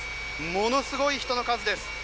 ものすごい人の数です。